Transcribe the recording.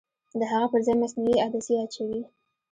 د هغه پرځای مصنوعي عدسیه اچوي.